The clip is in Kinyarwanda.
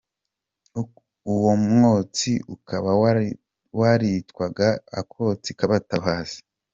Uwo mwotsi ukaba waritwaga " Akotsi k’abatabazi".